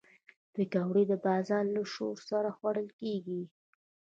پکورې د بازار له شور سره خوړل کېږي